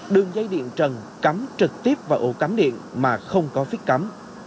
đường dây điện trần cắm trực tiếp vào ổ cắm điện mà không có phiết cắm